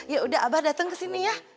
ya udah abah datang kesini ya